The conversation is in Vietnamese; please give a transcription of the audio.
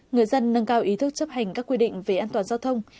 người dân nâng cao ý thức chấp hành các quy định về an toàn giao thông